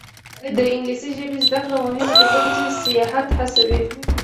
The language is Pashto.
د انګلیسي ژبې زده کړه مهمه ده ځکه چې سیاحت هڅوي.